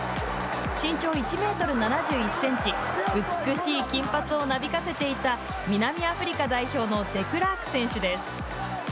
身長１メートル７１センチ美しい金髪をなびかせていた南アフリカの代表のデクラーク選手です。